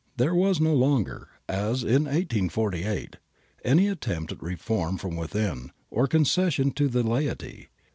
There was no longer, as in 1848, any attempt at reform from within or concession to the laity.